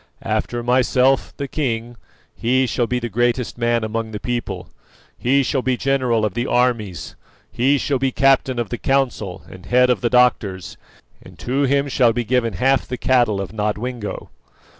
After myself, the king, he shall be the greatest man among the people; he shall be general of the armies; he shall be captain of the council and head of the doctors, and to him shall be given half the cattle of Nodwengo.